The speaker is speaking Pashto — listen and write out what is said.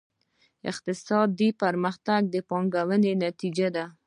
اقتصادي پرمختګ د پانګونې نتیجه ده.